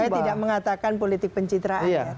saya tidak mengatakan politik pencitraan ya